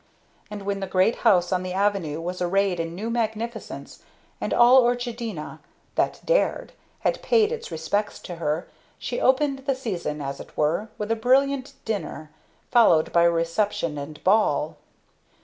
And when the great house on the avenue was arrayed in new magnificence, and all Orchardina that dared had paid its respects to her, she opened the season, as it were, with a brilliant dinner, followed by a reception and ball.